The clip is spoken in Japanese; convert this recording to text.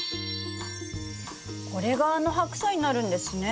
これがあのハクサイになるんですね。